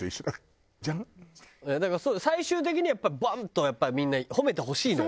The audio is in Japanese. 最終的にはやっぱバンッとみんな褒めてほしいのよ。